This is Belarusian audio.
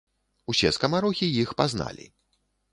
Усе скамарохі іх пазналі.